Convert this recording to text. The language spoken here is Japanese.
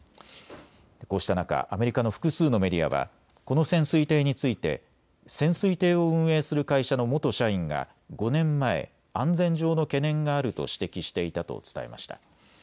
こうした中、アメリカの複数のメディアはこの潜水艇について潜水艇を運営する会社の元社員が５年前、安全上の懸念があると指摘していたと伝えました。